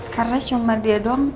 karena cuma dia doang